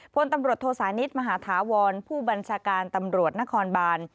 พลตำรวจโทษานิทมหาธาวรผู้บัญชาการตำรวจนครบาน